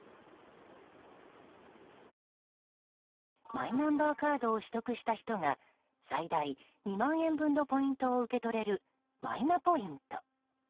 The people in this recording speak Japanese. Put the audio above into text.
マイナンバーカードを取得した人が最大２万円分のポイントを受け取れるマイナポイント。